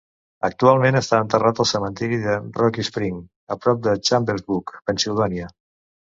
Actualment està enterrat al cementiri de Rocky Spring, a prop de Chambersburg, Pennsylvania.